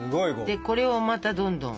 でこれをまたどんどん。